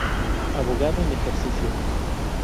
Abogado en ejercicio.